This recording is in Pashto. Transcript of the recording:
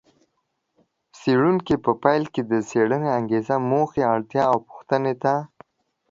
څېړونکي په پیل کې د څېړنې انګېزې، موخې، اړتیا او پوښتنې ته